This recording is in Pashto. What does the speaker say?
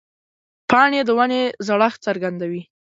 پاڼې د ونې زړښت څرګندوي.